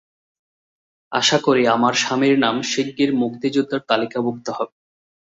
আশা করি, আমার স্বামীর নাম শিগগির মুক্তিযোদ্ধার তালিকাভুক্ত হবে।